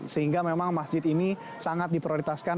sehingga memang masjid ini sangat diprioritaskan